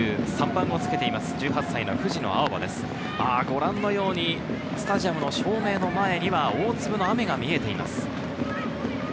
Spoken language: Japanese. ご覧のように、スタジアムの照明の前には大粒の雨が見えています。